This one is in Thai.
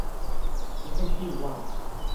จึงให้ชื่อว่า